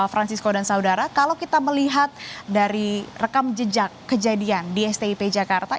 francisco dan saudara kalau kita melihat dari rekam jejak kejadian di stip jakarta